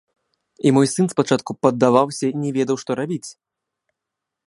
І мой сын спачатку паддаваўся і не ведаў, што рабіць.